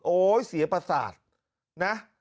โอ๊ยเสียประสาทนะ